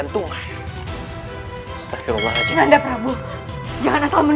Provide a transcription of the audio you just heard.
aku tak bisa tuhan